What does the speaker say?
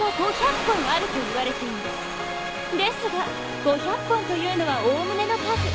ですが５００本というのは概ねの数。